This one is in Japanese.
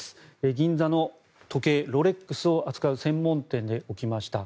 銀座の、時計ロレックスを扱う専門店で起きました。